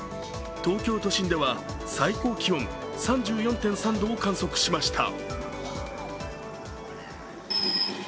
東京都心では最高気温３４．３度を観測しました。